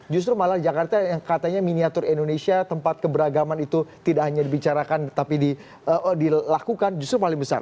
justru malah jakarta yang katanya miniatur indonesia tempat keberagaman itu tidak hanya dibicarakan tapi dilakukan justru paling besar